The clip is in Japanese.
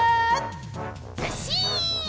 ずっしん！